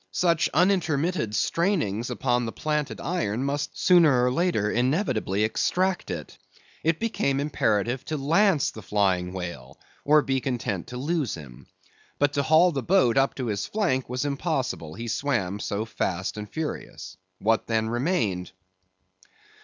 Such unintermitted strainings upon the planted iron must sooner or later inevitably extract it. It became imperative to lance the flying whale, or be content to lose him. But to haul the boat up to his flank was impossible, he swam so fast and furious. What then remained?